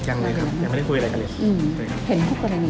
ยังไม่ครับยังไม่ได้คุยอะไรกันเลย